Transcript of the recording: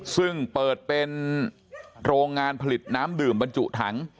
ซึ่งเปิดเป็นโรงงานผลิตน้ำดื่มบรรจุถัง